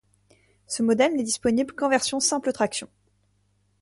Ce modèle n'est disponible qu'en version simple traction.